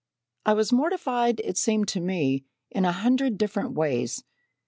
"I was mortified it seemed to me in a hundred different ways.